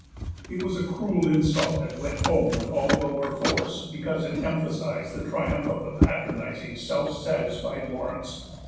It was a cruel insult that went home with all the more force because it emphasised the triumph of the patronising, self satisfied Laurence.